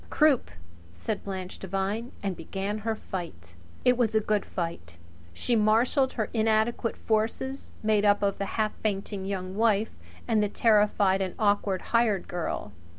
"Croup," said Blanche Devine, and began her fight. It was a good fight. She marshalled her little inadequate forces, made up of the half fainting Young Wife and the terrified and awkward hired girl.